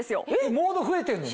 モード増えてんのに？